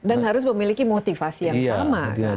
harus memiliki motivasi yang sama